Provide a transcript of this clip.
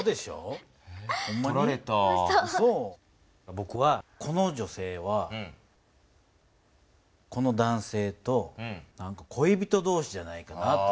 ぼくはこの女性はこの男性とこい人同士じゃないかなと思うのね。